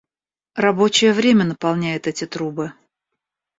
Рабочее время наполняет эти трубы.